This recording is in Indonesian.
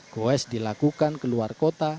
goes dilakukan keluar kota